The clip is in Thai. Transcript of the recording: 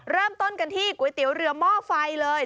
เริ่มต้นกันที่ก๋วยเตี๋ยวเรือหม้อไฟเลย